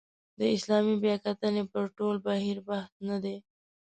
د اسلامي بیاکتنې پر ټول بهیر بحث نه دی.